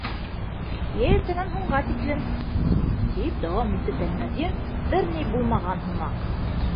—...йә иртәнән һуңға тиклем, —тип дауам итте Тәлмәрйен бер ни булмаған һымаҡ.